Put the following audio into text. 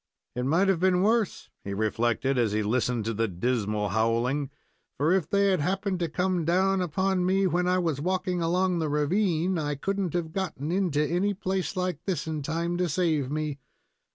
"It might have been worse," he reflected, as he listened to the dismal howling, "for if they had happened to come down upon me when I was walking along the ravine, I could n't have gotten into any place like this in time to save me.